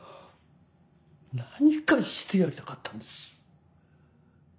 何かしてやりたかったんです。